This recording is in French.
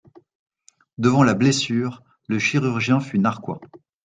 Devant la blessure, le chirurgien fut narquois.